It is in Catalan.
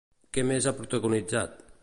Què més ha protagonitzat?